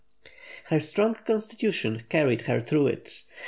Her strong constitution carried her through it.